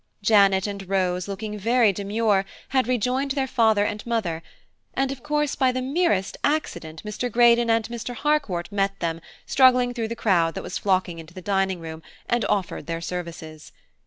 Janet and Rose, looking very demure, had rejoined their father and mother ; and of course, by the merest accident, Mr. Greydon and Mr. Harcourt met them struggling through the crowd that was flocking into the dining room, and offered their services.